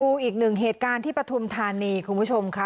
อีกหนึ่งเหตุการณ์ที่ปฐุมธานีคุณผู้ชมค่ะ